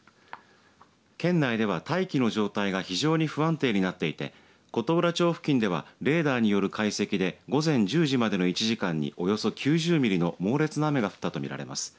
県内では大気の状態が非常に不安定になっていて琴浦町付近ではレーダーによる解析で午前１０時までの１時間におよそ９０ミリの猛烈な雨が降ったと見られます。